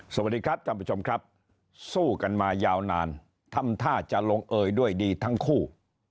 สวัสดีครับท่านผู้ชมครับสู้กันมายาวนานทำท่าจะลงเอยด้วยดีทั้งคู่